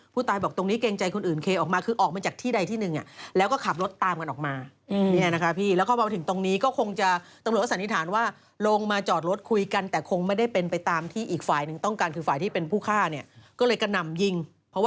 ผู้ตายบอกตรงนี้เกรงใจคนอื่นเคออกมาคือออกมาจากที่ใดที่หนึ่ง